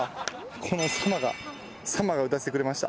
この「様」が「様」が打たせてくれました。